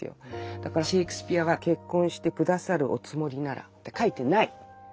だからシェイクスピアは「結婚して下さるお積りなら」って書いてない。